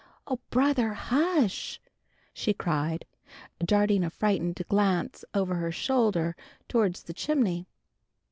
"Oh, brother! Hush!" she cried, darting a frightened glance over her shoulder towards the chimney.